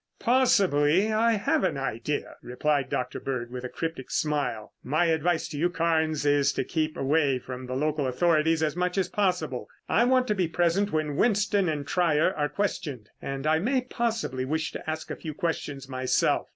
"Possibly I have an idea," replied Dr. Bird with a cryptic smile. "My advice to you, Carnes, is to keep away from the local authorities as much as possible. I want to be present when Winston and Trier are questioned and I may possibly wish to ask a few questions myself.